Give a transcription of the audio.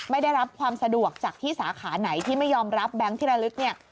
ได้รับความสะดวกจากที่สาขาไหนที่ไม่ยอมรับแบงค์ที่ระลึกเนี่ย